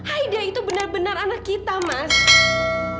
aida itu benar benar anak kandung kita